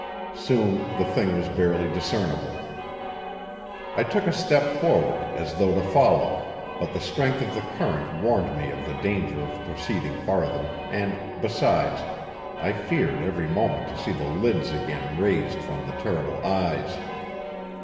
Soon the thing was barely discernible. I took a step forward as though to follow; but the strength of the current warned me of the danger of proceeding farther, and, besides, I feared every moment to see the lids again raised from the terrible eyes.